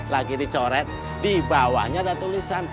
lagi dicoret dibawahnya ada tulisan